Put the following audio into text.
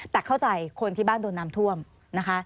แต่เข้าใจคนที่บ้านโดนน้ำท่วมนะคะ